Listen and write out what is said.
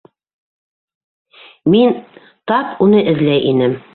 -Мин тап уны эҙләй инем.